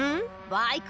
バイク？